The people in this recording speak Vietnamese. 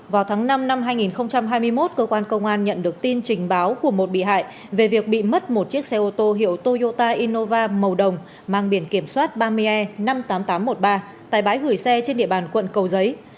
vào tháng năm năm hai nghìn hai mươi một cơ quan công an nhận được tin trình báo của một bị hại về việc bị mất một chiếc xe ô tô hiệu toyota innova màu đồng mang biển kiểm soát ba mươi e năm mươi tám nghìn tám trăm một mươi ba tại bãi gửi xe trên địa bàn quận cầu giấy